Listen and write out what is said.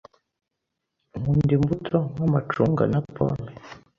Nkunda imbuto nk'amacunga na pome.